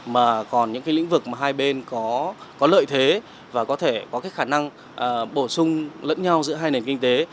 mà còn những cái lĩnh vực mà hai bên có lợi thế và có thể có cái khả năng bổ sung lẫn nhau giữa hai nền kinh tế